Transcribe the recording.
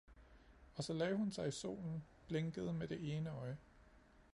Og så lagde hun sig i solen, blinkede med det ene øje.